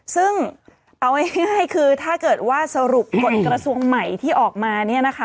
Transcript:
ซึ่งเอาง่ายคือถ้าเกิดว่าสรุปกฎกระทรวงใหม่ที่ออกมาเนี่ยนะคะ